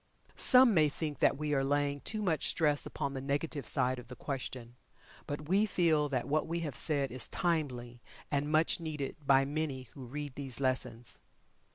Some may think that we are laying too much stress upon the negative side of the question, but we feel that what we have said is timely, and much needed by many who read these lessons.